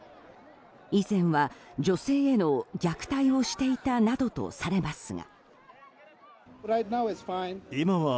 以前は女性への虐待をしていたなどとされますが。